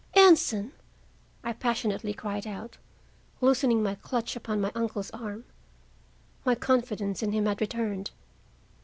"Anson!" I passionately cried out, loosening my clutch upon my uncle's arm. My confidence in him had returned.